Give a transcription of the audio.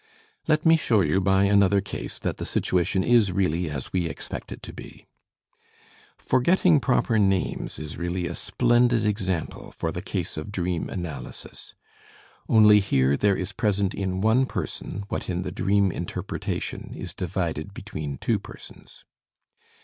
Let me show you by another case that the situation is really as we expect it to be. Forgetting proper names is really a splendid example for the case of dream analysis; only here there is present in one person what in the dream interpretation is divided between two persons.